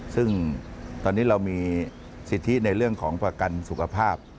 ซึ่งตอนนี้เรามีสิทธิในเรื่องของประกันสุขภาพ